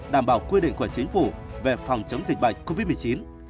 đảm bảo quy định của chính phủ về phòng chống dịch bệnh covid một mươi chín